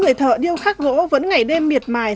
người thợ điêu khắc gỗ vẫn ngày đêm miệt mài